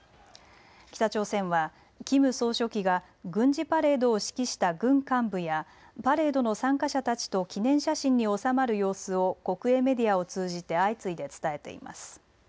北朝鮮はキム総書記が軍事パレードを指揮した軍幹部やパレードの参加者たちと記念写真に収まる様子を国営メディアを通じて相次いで伝えています。